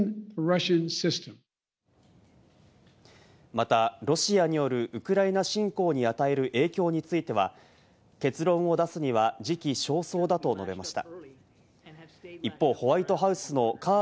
また、ロシアによるウクライナ侵攻に与える影響については、結論を出すには時期尚早だと述べました。